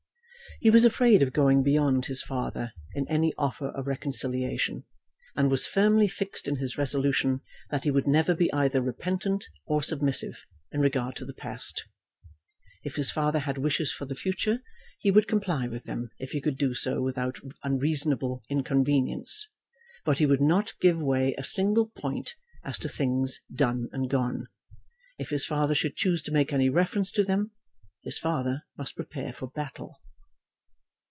He was afraid of going beyond his father in any offer of reconciliation, and was firmly fixed in his resolution that he would never be either repentant or submissive in regard to the past. If his father had wishes for the future, he would comply with them if he could do so without unreasonable inconvenience, but he would not give way a single point as to things done and gone. If his father should choose to make any reference to them, his father must prepare for battle.